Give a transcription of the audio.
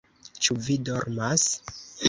Ĉu vi dormas?